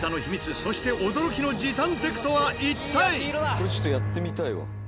これちょっとやってみたいわ。